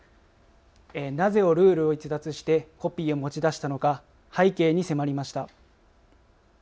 なぜルールを逸脱してコピーを持ち出したのか背景に迫りました。